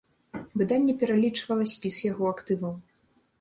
Выданне пералічвала спіс яго актываў.